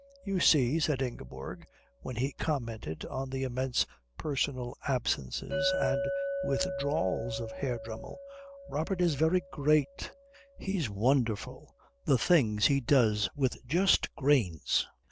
"You see," said Ingeborg when he commented on the immense personal absences and withdrawals of Herr Dremmel, "Robert is very great. He's wonderful! The things he does with just grains!